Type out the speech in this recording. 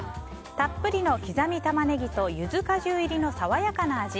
たっぷりの刻みタマネギとゆず果汁入りの爽やかな味。